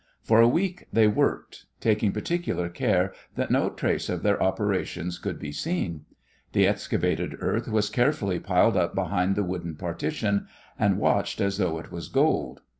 For a week they worked, taking particular care that no trace of their operations could be seen. The excavated earth was carefully piled up behind the wooden partition and watched as though it was gold.